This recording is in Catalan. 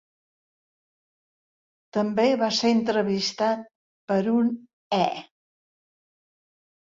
També va ser entrevistat per un E!